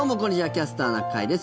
「キャスターな会」です。